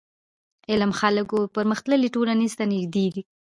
علم خلک و پرمختللو ټولنو ته نژدي کوي.